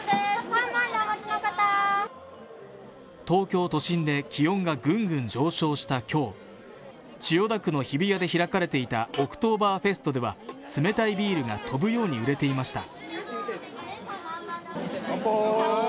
東京都心で気温がぐんぐん上昇した今日、千代田区の日比谷で開かれていたオクトーバーフェストでは冷たいビールが飛ぶように売れていました。